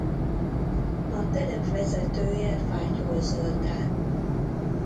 A telep vezetője Fátyol Zoltán.